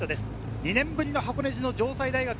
２年ぶりの箱根路の城西大学。